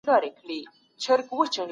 غيبت کوونکی به په سخت عذاب اخته سي.